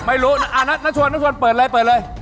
ไม่รู้นัทชวนเปิดเลยเปิดเลย